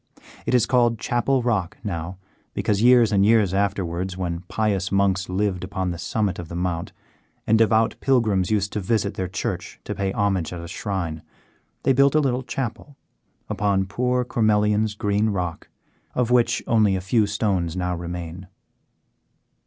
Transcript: It is called Chapel Rock now, because years and years afterwards, when pious monks lived upon the summit of the Mount and devout pilgrims used to visit their church to pay homage at a shrine, they built a little chapel, upon poor Cormelian's green rock, of which only a few stones now remain.